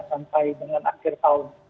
sampai dengan akhir tahun